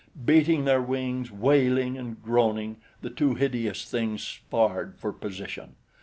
Beating their wings, wailing and groaning, the two hideous things sparred for position.